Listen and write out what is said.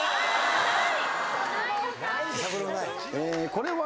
これは？